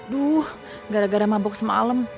duh gara gara mabuk semalam